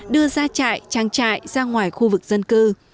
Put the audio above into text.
đưa ra trại trang trại ra ngoài khu vực